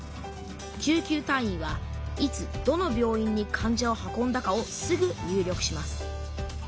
救急隊員はいつどの病院に患者を運んだかをすぐ入力します。